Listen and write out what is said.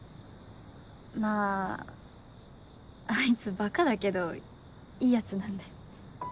まぁあいつバカだけどいいヤツなんで。